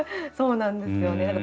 そうなんですよね。